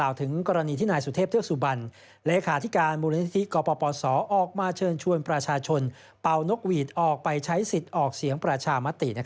วิธีกปปศออกมาเชิญชวนประชาชนเป้านกวีดออกไปใช้สิทธิ์ออกเสี่ยงประชามติ